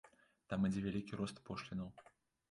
Там ідзе вялікі рост пошлінаў.